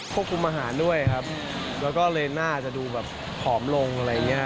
คุมอาหารด้วยครับแล้วก็เลยน่าจะดูแบบผอมลงอะไรอย่างเงี้ฮะ